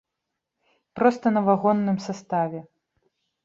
Проста на вагонным саставе.